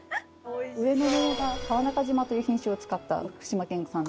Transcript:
上の桃が川中島という品種を使った福島県産の。